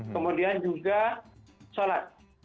kemudian juga sholat